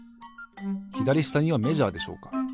ひだりしたにはメジャーでしょうか？